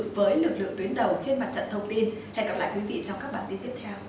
với lực lượng tuyến đầu trên mặt trận thông tin hẹn gặp lại quý vị trong các bản tin tiếp theo